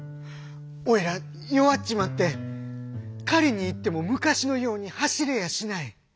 おいら弱っちまって狩りに行っても昔のように走れやしない。